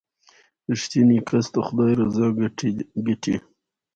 • رښتینی کس د خدای رضا ګټي.